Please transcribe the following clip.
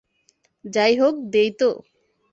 যাই হওক, দেই তো।